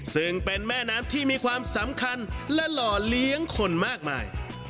ซึ่งเป็นแม่น้ำที่มีความสำคัญและหล่อเลี้ยงคนมากมาย